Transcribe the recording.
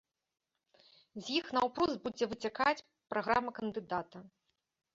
З іх наўпрост будзе выцякаць праграма кандыдата.